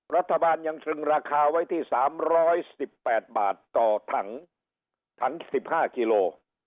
รัฐบาลยังซึงราคาไว้ที่สามร้อยสิบแปดบาทต่อถังถังสิบห้าคิโล